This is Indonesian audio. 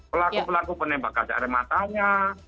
pelaku pelaku penembak gas air matanya